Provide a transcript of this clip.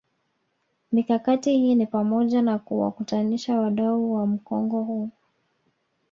Mikakati hii ni pamoja na kuwakutanisha wadau wa mkongo huu